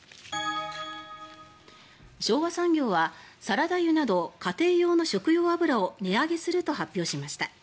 昭和産業はサラダ油など家庭用の食用油を値上げすると発表しました。